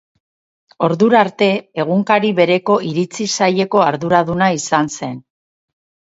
Ordura arte, egunkari bereko iritzi saileko arduraduna izan zen.